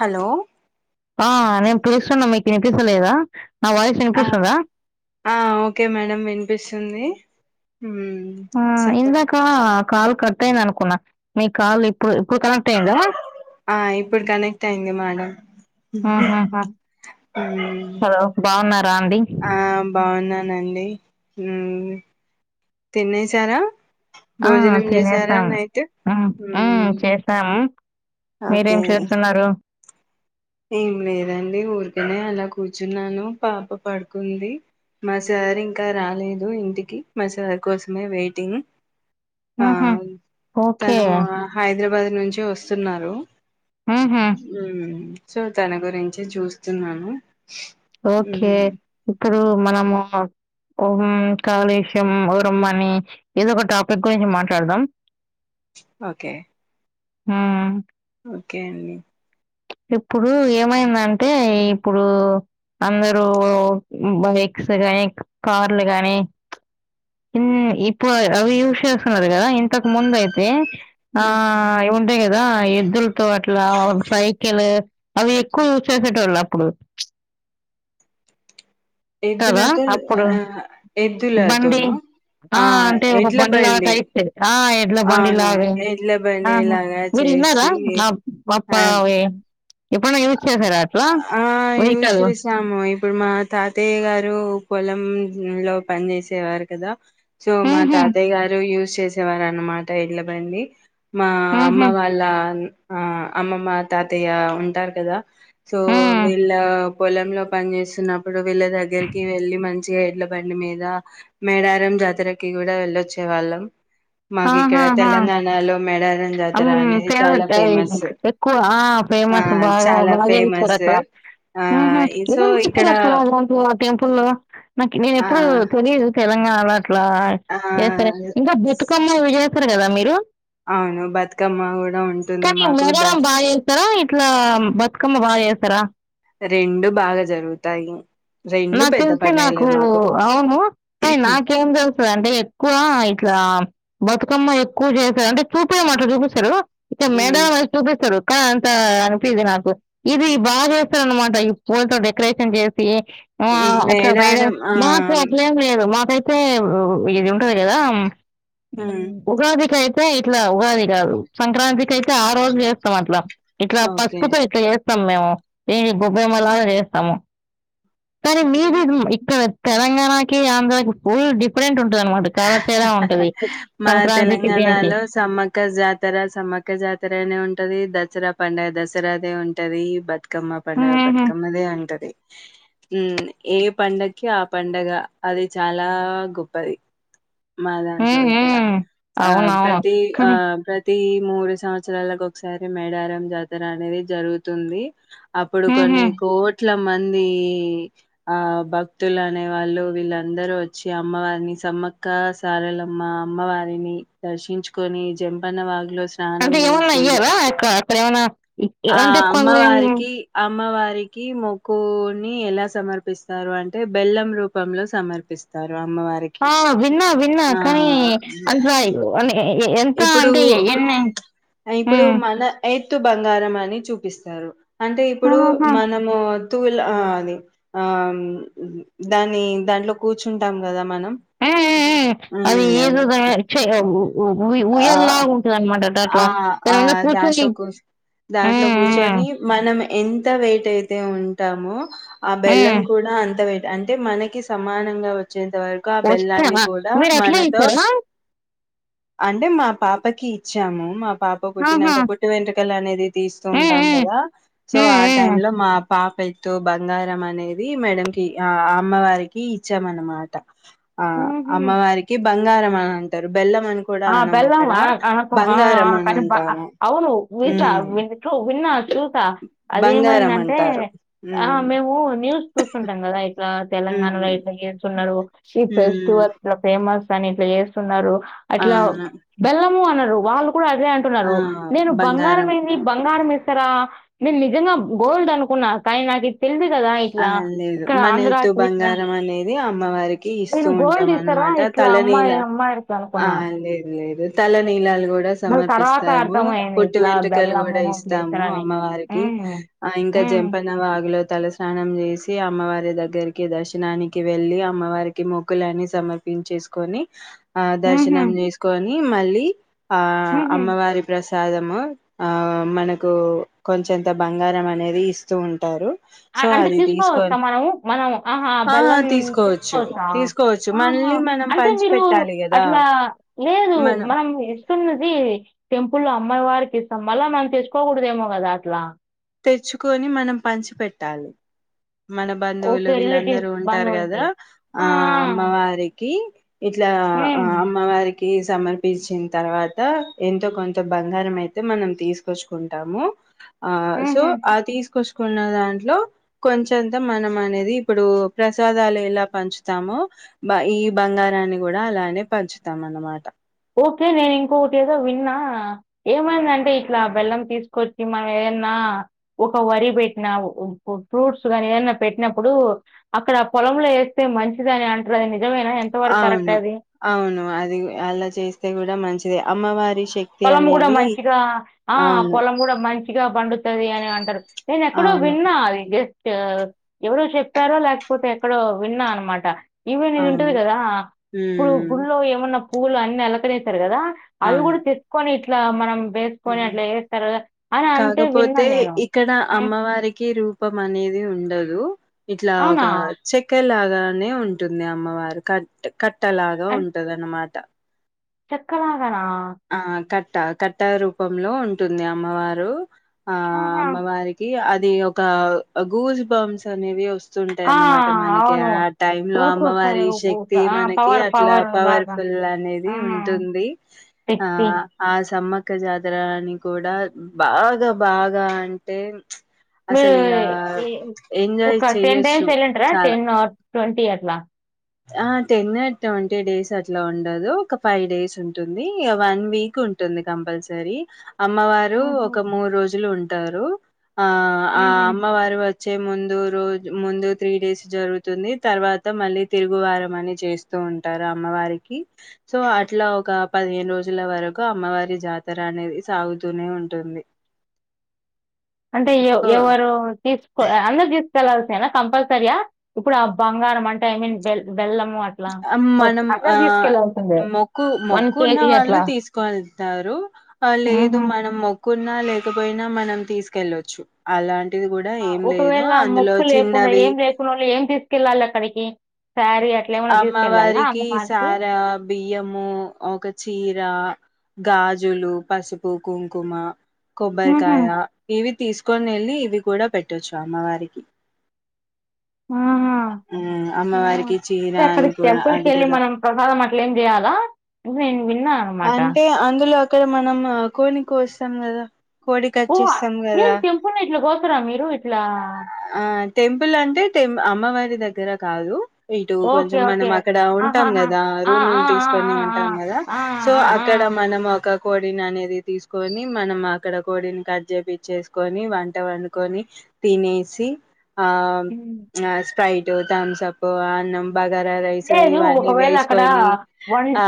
Hello ఆ నేను పిలుస్తున్నా మీకు వినిపిస్తా లేదా ఆ ఆ ఓకే మేడం వినిపిస్తుంది మ్మ్ ఆ చెప్పండి ఇందాకా కాల్ కట్ట అయింది అనుకున్నా మీ కాల్ ఇప్పుడు ఇప్పుడు కనెక్ట్ అయిందా ఆ ఇప్పుడు కనెక్ట్ అయింది మేడం ఆహ మ్మ్ హా హలో బాగున్నారా అండి ఆ బాన్నానండి తిన్నే చారా ఆ తినేసాం హ్మ్ మ్మ్ చేస్తాం మీరేం ఓకే చేస్తున్నారు ఏం లేదండి ఊరికనే అలా కూర్చున్నాను పాప పడుకుంది మా సార్ ఇంకా రాలేదు ఇంటికి మా సార్ కోసమే వెయిటింగ్ ఆ ఉహు, ఓకే తను హైదరాబాద్ నుంచి వస్తున్నారు ఉహు, హ్మ్ సో తన గురించి చూస్తున్నాను ఓకే మ్మ్ ఇకృ మనము హ్మ్ కాలుష్యం రమ్మని ఏదో ఒక టాపిక్ గురించి మాట్లాడదాం ఓకే హ్మ్ ఒకే అండి ఇప్పుడు ఏమైందంటే ఇప్పుడు అందరూ బైక్స్ గా కార్లు గాని ఇప్పుడు అవి యూస్ చేస్తున్నారు కదా ఇంతకు ముందు అయితే ఆ మ్మ్ ఉంటాయి కదా ఎద్దులతో అట్లా సై అవి ఎక్కువ చేసేటోళ్లు అప్పుడు కదా ఎద్దులతో అప్పుడు ఆ బండి ఎద్దులతోనా ఆ అంటే ఒక బండి లాగ టైప్ ఇది ఎడ్ల అవును బండిలాగ ఎడ్ల ఆ బండి లాగా మీరు ఇన్నారా చేసి అప్పా ఆ అవి ఎప్పుడన్నా యుజ్ చేసారా ఆ యూజ్ చేసాము ఇప్పుడు మా తాతయ్య గారు పొలం లో పని చేసేవారు కదా సో మా మ్మ్హ్మ్. తాతయ్య గారు యూస్ చేసేవార అనమాట ఎడ్లబండి మా అమ్మ మ్మ్హ్మ్. వాళ్ళ ఆ అమ్మమ్మ తాతయ్య ఉంటారు కదా సో హ్మ్. వీళ్ళ పొలంలో పని చేస్తున్నప్పుడు వీళ్ళ దగ్గరికి వెళ్ళి మంచిగా ఎడ్ల బండి మీద మేడారం జాతరకి కూడా వెళ్ళొచ్చే వాళ్ళం మాకి ఇక్కడ ఆహాహా! తెలంగాణలో మేడ హ్మ్ ఫేవరెట్ ఎక్కువ ఆ ఫేమస్ బాగా చాలా ఫేమస్ బా ఆ హ్మ్ హు ఇ సో ఇక్కడ టెంపుల్లో నాకి నేను ఆ ఎప్పుడు తెలీదు తెలంగాణ ట్లా ఆ చేస్తే ఇంకా బతుకమ్మ ఇ చేస్తారు కదా మీ హ అవును బతుకమ్మ కూడా ఉంటుంది కానీ మాకు ఉగాది ద రోజ్ బాగా చేస్తారా ఇట్లా బతుకమ్మ బాగా చేస్తారు ర రెండు బాగా జరుగుతాయి రెండు నాకు పెద్ద తెలూసు పండుగలే నాకు మాకు అవును కానీ నాకేం తెలుస్తుంద అంటే ఎక్కువ ఇట్లా బతుకమ్మ ఎక్కువ చేశారు అంటే చూపే మాట చూపిస్తారు ఇతే ఉమ్, మేడడం ఆది చూపిస్తారు అంత అనిపిది నాకు ఇది బాగా అయిపోయింది అన్న మాట ఈ పూలతో డెకరేషన్ చేసి ఆ ఉమ్, అట్లా ఫైరు మేడారం ఆ మాకు అట్లేం లేదు మాకైతే మే ఇది ఉంటది కదా ఉమ్, ఉగాది కి అయితే అయితే ఇట్లా ఉగాది కాదు సంక్రాంతికి అయితే ఆ రోజు చేస్తాం అట్లా ఇట్లా ఓకే పసుపుతో ఎట్లా చే స్తాం మేము ఏవీ గొబ్బేమలాగా చేస్తాము సరే మీది ఇక్కడ తెలంగాణకి ఆంధ్రాకి ఫుల్ డిఫరెంట్ ఉంట్ మా సంక్రాంతికి దీనికి తెలంగాణలో సమ్మక్క జాతర సమ్మక్క జాతర అనే ఉంటది ద దసరా పండుగ దసరాదే ఉంటది బత్ తుకమ్మ పండుగ మ్మ్హ్మ్. బతుకమ్మదే ఉంటది ఉమ్ ఏ పండగకి ఆ పండగ అది చాలా గొప్పది మా దాంట్లో ఇక్కడ మ్మ్హ్మ్. ఆ అవునవును ప్రతి ఆ కానీ ప్రతి ప్రతి మూడు సంవత్సరాలకు ఒకసారి మేడారం జాతర అనేది జరుగుతుంది అప్పుడు కొన్ని మ్మ్హ్మ్. కోట్ ఇట్ల మంది ఆ భక్తులు అనే వాళ్ళు వీళ్ళందరూ వచ్చి అమ్మవారిని సమక్ క్క సారలమ్మ అమ్మవారిని దర్శించుకొని జంపన్న వాగులో స్నానం అంటే ఏమున్నా చేసి ఈయ్యారా అక్క అక్కడ ఏమన్నా ఆ అంటే కొని అమ్మవారికి అమ్మవారికి మొక్కుని ఎలా సమర్పిస్తారు అంటే బెల్లం రూపంలో సమర్పిస్తారు అమ్మ వారికి న్నా కానీ అంత అ ఎంత ఇప్పుడు అంటే ఎన్ని తు బంగారం అని చూపిస్తారు అంటే ఇప్పుడు ఆహా. మనము తుల అది ఆ దాన్ని దాంట్లో కూర్చుంటాం కదా మనం ఆ అది ఉమ్ ఏదో [unintelligible] ఉ ఆ ఉయల్లాగా ఉంటది అన్నమాట ఆ ఆ దాంట్లో కూర్చ దాంట్లో మ్మ్, మ్మ్, కూర్చొని మనం ఎంత వెయిట్ అయితే ఉంటామో ఆ బెల్లం మ్మ్. కూడా అంత వైట్ అంటే మనకి సమానంగా వచ్చు వచ్చేంత వరకు ఆ బెల్లాన్ని వస్తావా కూడా మీరు ఎట్లా మనతో ఇచ్చారు అంటే మా పాపకి ఇచ్చాము మా పాప ఆహా పుట్టినాక పుట్టి వెంట్రకలు అనేది తీస్తూ ఉంటాం ఉమ్, కదా సో ఉమ్, ఆ టైమ్ ఉమ్, ఉమ్. లో మా పాప అయితే తో బంగారం అనేది మేడకి ఆ అమ్మవారికి ఇచ్చామన్నమాట ఆ అమ్మ ఉహుం. వారికి బంగారం ఆ అంటారు బెల్లం అని కూడా ఆ! అనం బెల్లం అక్కడ అన ఆ అనకు బంగారం అని కానీ బా అ అంటాము అవును ఉమ్ [inaudible] నా చూసా అది బంగారం ఏమైందంటే అంటారు ఆ ఉమ్ మేము న్యూస్ చూస్తుంటాం కదా ఇట్లా తెలంగాణలో ఉమ్ ఎట్లా చేస్తున్నారు ఈ ఉమ్ ఫెస్టివల్ ఇ ఫేమ మ అని ఇట్లా చేస్తున్నారు అట్లా అవును బెల్లం అనరు వాళ్ళ కూడా అదే ఆ అంటున్నారు నేను బంగారం ఏంది బంగారం నేను నిజంగా గోల్డ్ అనుకున్నా కానీ నాకు తేలి ఆ లేదు మన ఎత్తు ఇట్లా బంగారం అనేది అమ్మవారికి ఇస్తూ నేను గోల్డ్ ఉంటాం ఇస్తారా? అనమాట ఇట్లా తలనీల అమ్మాయి అమ్మాయిలకి ఆ అనుకున్నా. లేదు లేదు తలనీలా కూడా మళ్ళీ తర్వాత సమర్పిస్తాము అర్థమయింది పుట్టి ఇట్లా వెంట్రకలు బెల్లము కూడా ఇస్తాము ఇట్లేస్తారని. అమ్మవారికి హ్మ్. ఆ ఇంకా హ్మ్. జంపన వాగులో చాల [inaudible] స్నానం చేసి అమ్మవారి దగ్గరికి దర్శనానికి వెళ్ళి అమ్మవారికి మొక్కులని సమర్పించేసుకొని ఆ హుహు. దర్శనం చేసుకొని ని మళ్ళి ఆ హుహు. అమ్మవారి ప్రెస్ ప్రసాదము ఆ మనకు కొంచంత బంగారం అనేది ఇస్తూ ఉంటారు సో అంటే అది తీసుకొని తీసుకోవచ్చా మనము మనం ఆహా ఆ బెల్లం తీసుకోవచ్చు తీసుకోవచ్చా తీసుకోవచ్చు ఆహా మళ్ళీ మనం అంటే పంచి మీరు పెట్టాలి కదా అట్లా లేదు మనం ఇస్తున్నది టెంపుల్ లో అమ్మ వారికి ఇస్తాం మళ్ళా మనం తెచ్చుకోకూడదేమో కదా అట్లా తెచ్చుకొని మనం పంచి పెెట్టాలి మన బంధువులు ఓకే. వీళ్ళందరూ రిలేటివ్స్, ఉంటారు కదా బంధువులకి. ఆ అమ్మవారికి ఇట్లా ఆ హ్మ్. అమ్మవారికి ఇ సమర్పించిన తర్వాత ఎంతో కొంత బంగారం అయితే మనం తీసుకొచ్చుకుంటాము ఆ తూ హుహు. ఆ తీస్కొచ్ కున్న దాంట్లో కొంచంత మనం అనేది ఇప్పుడు ప్రసాదాలు ఎలా పంచుతామో ఈ బంగారాన్ని కూడా అలానే పంచుతాం అనమాట ఓకే నేను ఇంకొకటి ఏదో విన్నా ఏమైందంటే ఇట్లా బెల్లం తీసుకొచ్చి మనం ఏదన్నా ఒక వరి పెట్టినా ఒ ఆఫ్రూట్స్ కాని ఏదన్నా పెట్టినప్పుడు అక్కడ పొలంలో వేస్తే మంచిది అని అంటురు అవును అవును అది అలా చేస్తే కూడా మంచిది అమ్మవారి శక్తి పొలం కూడా అనేది మంచిగా ఆ అవును. పొలం కూడా మంచిగా బండుత్ పది అని అంటారు నేను ఎక్కడో అవును. విన్నా అది లేక్ ఎవరు చెప్పారో లేకపోతే ఎక్కడో విన్నా అనమాట ఇవ నీది ఉంటది అవును. కదా ఆప్పుడు హ్మ్. గుళ్ళో ఏమన్నా పువ్వులు అన్నిీ అలకరిస్తారు కదా అవి అవును. కూడా తెస్ ఇట్లా మనం వేసుకొని అట్లా వేస్తారు కదా అని అంటే విన్నా కాకపోతే నేను ఇక్కడ ఉమ్, అమ్మవారికి రూపం అనేది ఉండదు హలో ఇట్లా ఒక అవునా చెక్కెలాగా గా నే ఉంటుంది అమ్మవారు కట్ కట్టలాగా ఉంటదన మాట చక్కలా నాహా ఆ కట్ట కట్ట రూపంలో ఉంటుంది అమ్మవారు ఆ ఆహా. అమ్మవారికి అద్ ఇది ఒక గూస్ బాంస్ అనేవి వస్త వస్తుంటాయి ఆ, అన్నమాట మనకి అవును ఆ టైమ్ లో ఉనుకు అమ్మవారి వస్తాయి శక్తి మనకి పవర్ అట్లా పవర్ లాగా పవర్ఫుల్ ఆ, అనేది ఉంటుంది ఆ శక్తి ఆస్ సమ్మక్క జాతరని కూడా బాగా బాగా అంటే అసలు ఇగ మీరు ఎంజాయ్ ఒక టెన్ చెయ్యొచ్చు టైమ్స్ వెళ్ళంటార చాలా. టెన్వ ట్వంటీ అట్లా ఆ టెన్ ట్వంటీ డేస్ అట్లా ఉండదు ఒక ఫైవ్ డేస్ ఉంటుంది వన్ వీక్ ఉంటుంది కంపల్సరీ అమ్మవారు ఉహు ఒక మూడు రోజులు ఉంట అంటారు ఆ ఆ ఉహు అమ్మ వారు వచ్చ వచ్చే ముందు రోజు ముందు త్రీ డేస్ జరుగుతుంది తర్వాత మళ్ళీ తిరుగువారం అని చేస్తూ ఉంటారు అమ్మవారికి సో అట్లా ఒక పదిహేను రోజుల వరకు అమ్మవారి జాతర అనేది సాగుతూనే ఉంటుంది అంటే సో ఎవరు తీసుకో అందరు తీసు కెల్లాల్సిందెనా కంపల్సరియా ఇప్పుడు ఆ బంగారం అంటే ఐ మీన్ వెల్ మనం ఆ తీసుకెళ్లాల్సిందే మొక్కు వన్ మొక్కు ఉన్న కేజీ వాళ్ళు అట్లా తీసుకుళ్తారు లేదు ఉహు మనం మొకు న్నా లేకపోయినా మనం తీసుకెళ్లొచ్చు అలాంటి ఒకవేళ మొక్కు లేకుండా చిన్నవి ఏం లేకుండా వాళ్ళు ఏం తీసుకెళ్ళాలి అక్కడికి శారీ అట్లా ఏమైనా తీసుకెళ్ళాలా అమ్మవారికి అమ్మవారికి సారా బియ్యము ఒక చీర గాజులు పసుపు కుంకుమ ఉహు కొబ్బరికాయా ఇవి - - తీసుకొని వెళ్ళి ఇవి కూడా పెట్టొచ్చు అమ్మవారికి ఆహా అమ్మ ఆ, వారికి అంటే అక్కడి టెంపుల్ కి వెళ్ళి మనం ప్రసాదం అట్లే ఏం చేయాలా ఇది నేను విన్నా అనమాట అంటే అందులో అంటె మనం కోడిని కోస్తాం కదా కోడి కట్ ఓ చేస్తాం ఏం కదా టెంపుల్ ఇట్లా పోతారా మీరు ఇట్లా ఆ టెంపుల్ అంటే టెంపు అమ్మవారి దగ్గర కాదు ఇటు ఓకే కొంచెం ఓకే మనం అక్కడ ఉంటాం ఆహాహా కదా ఆ, ఆ, రూమ్లు ఆ, తీసుకొని ఆ, ఉంటాం కదా ఆ, ఆ, సో ఆ, ఆ. అక్కడ మనం ఒక కోడిని అనేది తీసుకొని మనం అక్కడ కోడిని కట్ చేపిచ్చేసుకొని వంట వండుకొని తినేసి ఆ ఉమ్. స్ర్పైటు తంసపు అన్నం బగారా రైసు లేదు ఇవన్నీ ఒకవేళ వేసుకొని ఆ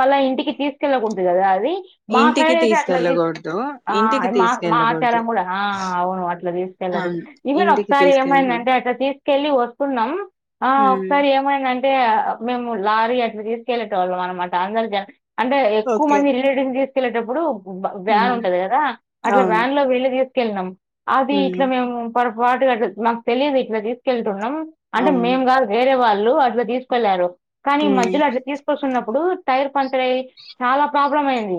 మల్ళ ఇంటికి తీసుకెలకొదడు కదా అది మా ఇంటికి సైడ్ అయితే అట్లా తీసుకెళ్ళకూడదు ఆ ఇంటికి మా మా తీసుకెళ్ళకూడదు ఆచారం కూడా ఆ అవును అట్లా తీసుకెళ్ళ అవును ఈవెన్ ఇంటికి ఒకసారి తీసుకెళ్ళకూడదు ఏమైందంటే అట్లా తీసుకెళ్ళి వస్తున్నాం ఆ ఉమ్ సార్ ఏమైందంటే మేము లారీ ఎ తీసుకెల్లోటోళ్ళం అనమాట అందరిజ అంటే ఎక్కువ ఓకే మంది రిలేటువ్ ని కిలటప్పుడు వ వ్యాన్ ఉమ్ ఉంటది కదా అట్లా అవును వ్యాన్ లో వెళ్లిి తీసుకెళ్లి కెల్నం అది ఉమ్ ఇట్లా మేము పొరపాటుగా అట్ల మాకు తెలిదు ఇట్లా తీసుకెళ్తున్నం అంటే అవును మేం కాదు రే వాళ్ళు అట్లా తీసుకెళ్లారు కానీ ఈ ఉమ్ మధ్యలో అట్లా తీసుకొస్తున్నప్పుడు టైర్ పంచర్ అయ్యి చాలా ప్రాబ్లం అయింది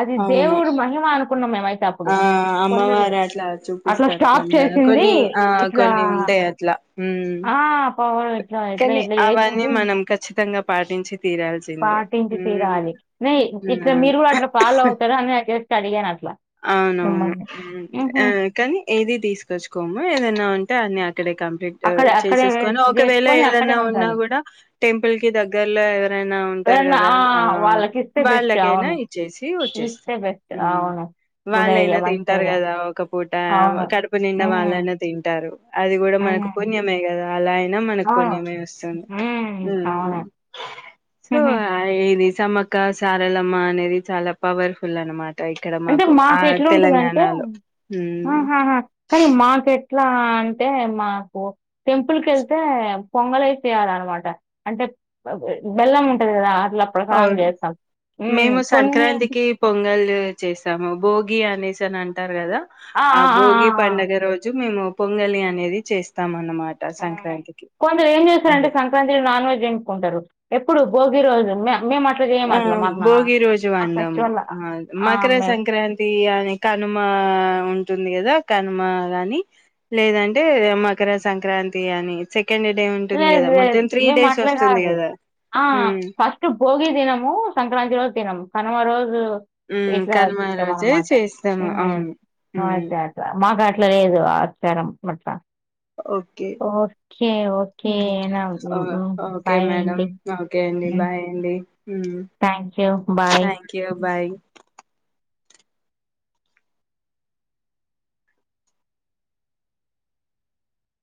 అది అవును దేవుడు మహిమ అనుకున్నాం మేమైతే అప్పుడు ఆ కొందరు అమ్మవారు అట్లా అట్లా చూపిస్తారు స్టాప్ కొందరు చేసింది కొన్ని ఆ ఇట్లా కొన్ని ఉంటాయి అట్లా ఉమ్ ఆ పవ కానీ అవన్నీ మనం ఖచ్చితంగా పాటించి తీరాల్సిందే పాటించి ఉమ్ తీరాలి న ఇట్లా మీరు కూడా అవును అట్లా ఫాలో అవుతారు అని నేను జస్ట్ అడిగాను అట్లా అవునవును మిమ్మల్ని మ్హూ. ఆ కానీ ఏది తీసుకొచ్చుకోము ఏదైనా ఉంటే అని ఇక్కడ కంప్లీట్ అక్కడ అక్కడే చేసేసుకొని ఒకవేళ చేసుకొని అక్కడే ఏదైనా ఉన్నా ఉంటారు కూడా టెంపుల్ కి దగ్గర్లో ఎవరైనా ఉంటారు ఎవరన్నా కదా ఆ వాళ్ళకి ఇస్తే బెస్ట్ వాళ్ళకైనా అవును చేసి వచ్చేస్తాం. ఇస్తే బెస్ట్ అవును గుడ్ ఐడియా వాళ్ళైనా మంచి తింటారు ఐడియా కదా ఒక పూట అవును కడుపు నిండా మ్మ్, వాళ్ళైనా తింటారు అది కూడా మనకు మ్మ్, పుణ్యమే కదా పలాన్ మనకు అవును పుణ్యమె వస్తుంది మ్మ్, అవును సో అయి సమక సారలమ్మ అనేది చాలా పవర్ఫుల్ అనమాట ఇక్కడ అంటే ఆ మాకు ఎట్లుంటదంటే తెలంగాణలో ఉమ్ ఆహహా కానీ మాక ఎట్లా అంటే మాకు టెంపుల్ కెళ్తే పొంగలే చేయాలనమాట అంటే బెల్లం ఉంటది కదా అట్లా ప్రసాదం అవును చేస్తాం ఉమ్, మేము కొన్ని సంక్రాంతికి పొంగల్ చేస్తాము భోగి అనేసి అని అంటారు కదా ఆ భోగి పండుగ రోజు మేము పొంగలి అనేది చేస్తాము కొందరు ఏం చేస్తారంటే సంక్రాంతికి నాన్ వెజ్ ఎంచుకుంటరు ఎప్పుడు భోగి రోజు మ మేమట్ ఆ భోగి రోజు వండాం ఆ మకర మేము సంక్రాంతి అని కనుమ ఉంటుంది కదా కనుమ గాని లేదంటే మకర సంక్రాంతి అని సెకండ్ డే ఉంటుంది లేదు కదా లేదు మొత్తం త్రీ మేం డేస్ అట్లా వస్తుంది కాదు కదా ఆ ఉమ్ ఫస్ట్ భోగి దినమ్ ము సంక్రాంతి రోజు దినం కనమ రోజు హుమ్మ్ ఇట్లా చేస్తాం కనుమరోజే అన్నమాట చేస్తాము హ్మ్. అవును అట్లా అట్లా మాకు లేదు ఆచారం అట్లా ఓకే ఓకే ఓకే నా ఓకే బాయ్ మేడం అండి ఓకే అండి బాయ్ అండి హ్మ్మ్ thank you bye thank you bye